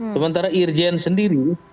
sementara irjn sendiri